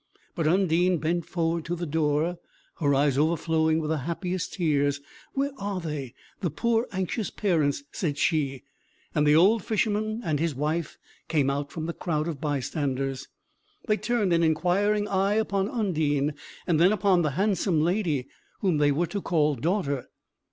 But Undine bent forward to the door, her eyes overflowing with the happiest tears. "Where are they, the poor anxious parents?" said she; and the old Fisherman and his wife came out from the crowd of bystanders. They turned an inquiring eye upon Undine, and then upon the handsome lady whom they were to call daughter.